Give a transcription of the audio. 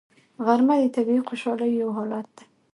غرمه د طبیعي خوشحالۍ یو حالت دی